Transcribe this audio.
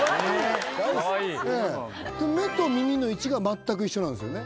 目と耳の位置が全く一緒なんですよね